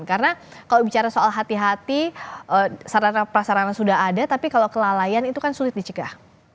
karena kalau bicara soal hati hati sarana perasarana sudah ada tapi kalau kelalaian itu kan sulit dicegah